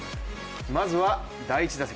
まずは第１打席。